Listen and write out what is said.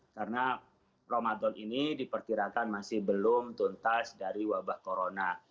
karena ramadan ini dipertirakan masih belum tuntas dari wabah corona